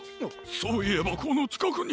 そういえばこのちかくに！